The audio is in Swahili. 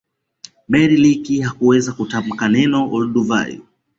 Mary leakey hakuweza kutamka neno olduvai